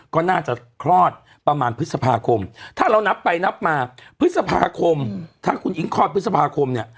ก็น่าจะคลอดประมาณพฤษภาคมถ้าเรานับไปนับมาพฤษภาคมถ้าคุณอิ๊งคลอดพฤษภาคมเนี่ย